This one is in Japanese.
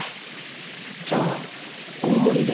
じゃあ大盛りで。